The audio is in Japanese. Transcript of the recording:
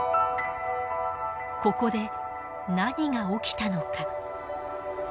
ここで何が起きたのか。